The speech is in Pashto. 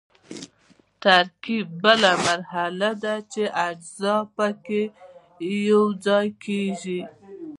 ترکیب بله مرحله ده چې اجزا پکې یوځای کیږي.